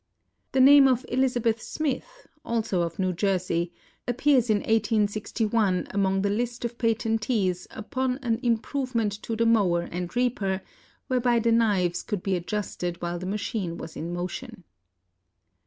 The name of Elizabeth Smith, also of New Jersey, appears in 1861 among the list of patentees upon an improvement to the mower and reaper, whereby the knives could be adjusted while the machine was in motion.